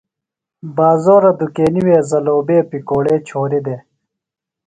بازورہ دُکینی وے زلوبے، پکوڑے چھوریۡ دےۡ۔